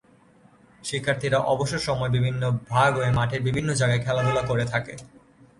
শিক্ষার্থীরা অবসর সময়ে বিভিন্ন ভাগ হয়ে মাঠের বিভিন্ন জায়গায় খেলাধুলা করে থাকে।